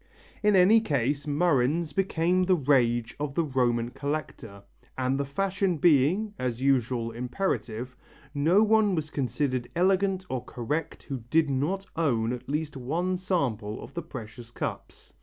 In any case murrhines became the rage of the Roman collector, and the fashion being, as usual, imperative, no one was considered elegant or correct who did not own at least one sample of the precious cups.